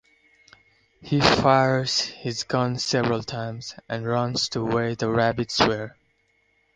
He fires his gun several times and runs to where the rabbits were.